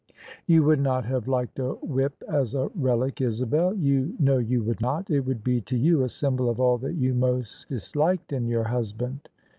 " You would not have liked a whip as a relic, Isabel : you know you would not. It would be to you a symbol of all that you most disliked in your husband."